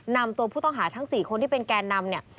นำตัวผู้ต้องหาทั้ง๔คนที่เป็นแกนนำเนี่ย